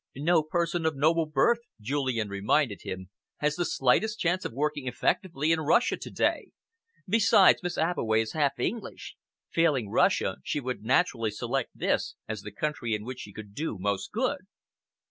"No person of noble birth," Julian reminded him, "has the slightest chance of working effectively in Russia to day. Besides, Miss Abbeway is half English. Failing Russia, she would naturally select this as the country in which she could do most good."